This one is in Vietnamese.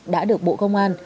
đã được bộ công an